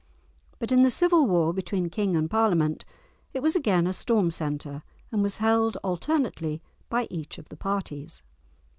But in the civil war between King and Parliament it was again a storm centre, and was held alternately by each of the parties.